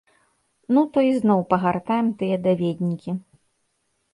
Ну, то ізноў пагартаем тыя даведнікі.